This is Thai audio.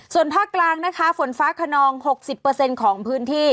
ส่วนภาคกลางนะคะฝนฟ้าขนอง๖๐ของพื้นที่